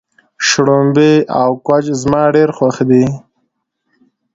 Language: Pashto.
شړومبی او کوچ زما ډېر خوښ دي.